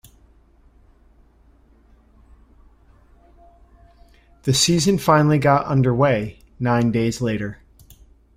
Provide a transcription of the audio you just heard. The season finally got underway nine days later.